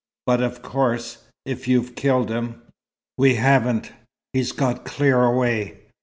But, of course, if you've killed him " "We haven't. He's got clear away.